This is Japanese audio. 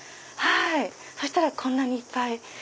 そしたらこんなにいっぱい。